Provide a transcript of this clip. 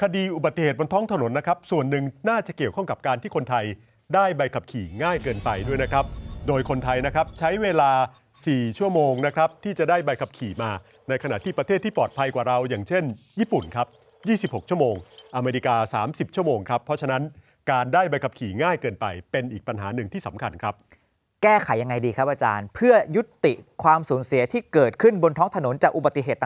ได้ใบขับขี่ง่ายเกินไปด้วยนะครับโดยคนไทยนะครับใช้เวลา๔ชั่วโมงนะครับที่จะได้ใบขับขี่มาในขณะที่ประเทศที่ปลอดภัยกว่าเราอย่างเช่นญี่ปุ่นครับ๒๖ชั่วโมงอเมริกา๓๐ชั่วโมงครับเพราะฉะนั้นการได้ใบขับขี่ง่ายเกินไปเป็นอีกปัญหาหนึ่งที่สำคัญครับแก้ไขยังไงดีครับอาจารย์เพื่อยุติความสู